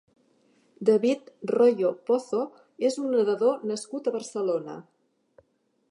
David Royo Pozo és un nedador nascut a Barcelona.